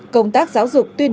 công tác giáo dục tuyên truyền